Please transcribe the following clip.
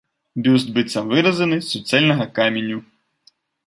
Бюст быццам выразаны з суцэльнага каменю.